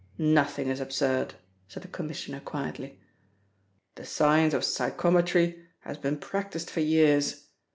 "Nothing is absurd," said the Commissioner quietly. "The science of psychometry has been practised for years.